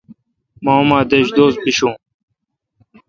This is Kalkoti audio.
مہ اماں دش دوس بشون۔